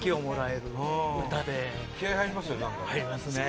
神谷：入りますね。